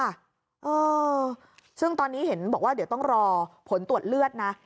เออซึ่งตอนนี้เห็นบอกว่าเดี๋ยวต้องรอผลตรวจเลือดนะ